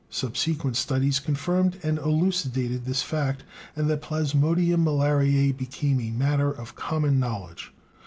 Subsequent studies confirmed and elucidated this fact, and the plasmodium malariae became a matter of common knowledge.